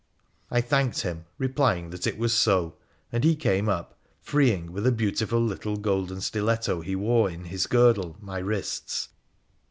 ' I thanked him, replying that it was so ; and he came up, freeing, with a beautiful little golden stiletto he wore in his girdle, my wrists.